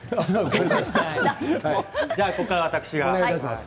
ここからは私が。